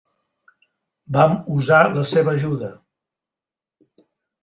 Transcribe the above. Vam usar la seva ajuda.